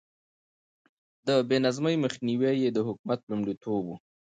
د بې نظمي مخنيوی يې د حکومت لومړيتوب و.